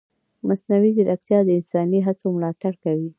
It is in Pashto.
مصنوعي ځیرکتیا د انساني هڅو ملاتړ کوي.